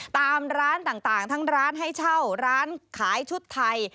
ตามร้านต่างทั้งร้านให้เช่าร้านขายชุดไทย